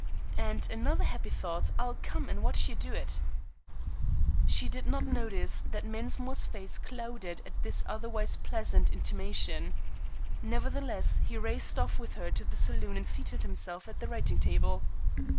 "And another happy thought! I'll come and watch you do it." She did not notice that Mensmore's face clouded at this otherwise pleasant intimation. Nevertheless, he raced off with her to the saloon and seated himself at the writing table.